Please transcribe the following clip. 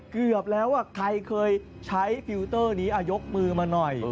เกือบแล้วใครเคยใช้ฟิลเตอร์นี้ยกมือมาหน่อย